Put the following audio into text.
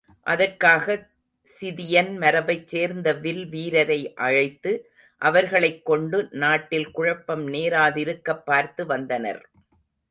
அதற்காகச் சிதியன் மரபைச் சேர்ந்த வில் வீரரை அழைத்து, அவர்களைக்கொண்டு நாட்டில் குழப்பம் நேராதிருக்கப் பார்த்து வந்தனர்.